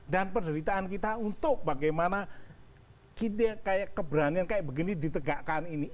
dan penderitaan kita untuk bagaimana kita kayak keberanian kayak begini ditegakkan ini